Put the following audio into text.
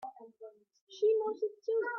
She knows it too!